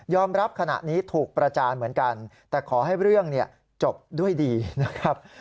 รับขณะนี้ถูกประจานเหมือนกันแต่ขอให้เรื่องจบด้วยดีนะครับ